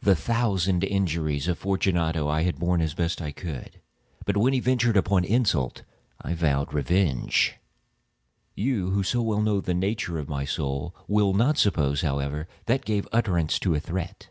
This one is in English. The thousand injuries of Fortunato I had borne as I best could; but when he ventured upon insult, I vowed revenge. You, who so well know the nature of my soul, will not suppose, however, that I gave utterance to a threat.